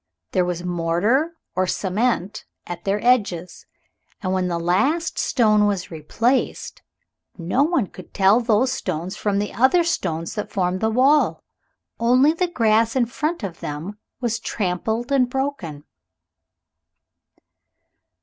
There was mortar or cement at their edges, and when the last stone was replaced no one could tell those stones from the other stones that formed the wall. Only the grass in front of them was trampled and broken.